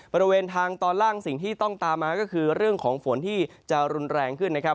บริเวณทางตอนล่างสิ่งที่ต้องตามมาก็คือเรื่องของฝนที่จะรุนแรงขึ้นนะครับ